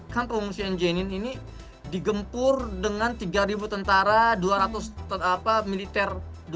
kan pengungsian jenin ini digempur dengan tiga tentara dua ratus militer